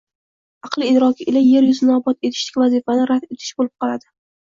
aql-idroki ila yer yuzini obod etishdek vazifasini rad etish bo‘lib qoladi.